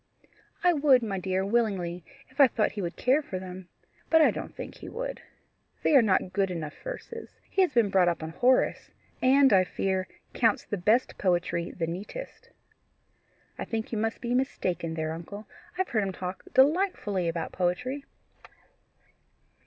"I would, my dear, willingly, if I thought he would care for them. But I don't think he would. They are not good enough verses. He has been brought up on Horace, and, I fear, counts the best poetry the neatest." "I think you must be mistaken there, uncle; I have heard him talk delightfully about poetry."